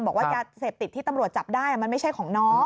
บอกว่ายาเสพติดที่ตำรวจจับได้มันไม่ใช่ของน้อง